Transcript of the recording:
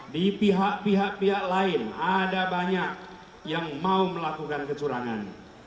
di pihak pihak pihak lain ada banyak yang mau melakukan kecurangan